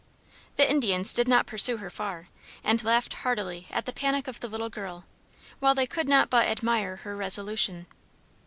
The Indians did not pursue her far, and laughed heartily at the panic of the little girl, while they could not but admire her resolution.